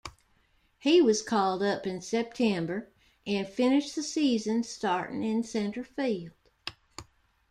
He was called up in September, and finished the season starting in center field.